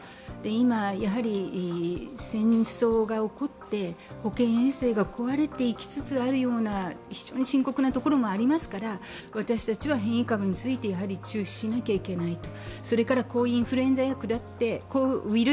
今、戦争が起こって、保健衛生が壊れていきつつあるような非常に深刻なところもありますから私たちは変異株について注視しなくちゃいけないと。